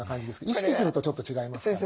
意識するとちょっと違いますから。